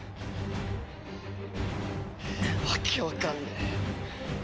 訳わかんねえ。